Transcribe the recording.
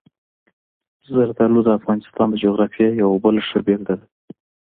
زردالو د افغانستان د جغرافیې یوه بله ښه بېلګه ده.